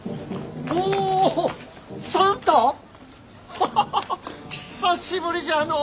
ハハハハッ久しぶりじゃのう！